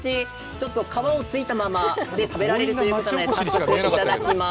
ちょっと皮のついたまま食べられるということで早速いただきます。